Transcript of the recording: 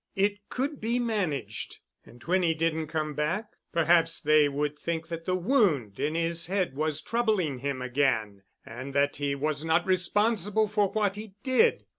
It could be managed—and when he didn't come back, perhaps they would think that the wound in his head was troubling him again, and that he was not responsible for what he did.